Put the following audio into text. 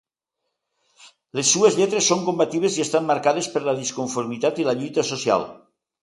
Les seues lletres són combatives i estan marcades per la disconformitat i la lluita social.